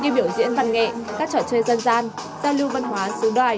như biểu diễn văn nghệ các trò chơi dân gian giao lưu văn hóa xứ đoài